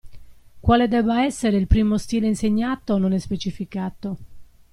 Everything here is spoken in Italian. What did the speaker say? Quale debba essere il primo stile insegnato non è specificato.